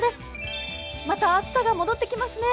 また暑さが戻ってきますね。